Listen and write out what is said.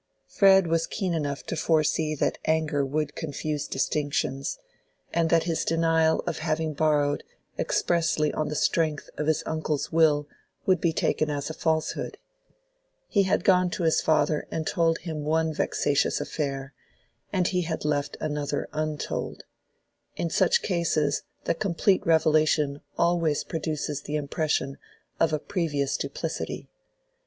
Fred was keen enough to foresee that anger would confuse distinctions, and that his denial of having borrowed expressly on the strength of his uncle's will would be taken as a falsehood. He had gone to his father and told him one vexatious affair, and he had left another untold: in such cases the complete revelation always produces the impression of a previous duplicity.